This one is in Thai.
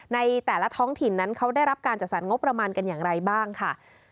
ในแต่ละท้องถิ่นนั้นเขาได้รับการจัดสรรงบประมาณกันอย่างไรบ้างค่ะ